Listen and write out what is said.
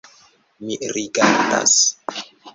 Mi rigardas.